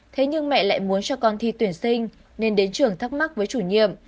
thế nhưng mẹ lại muốn cho con thi tuyển sinh nên đến trường thắc mắc với chủ nhiệm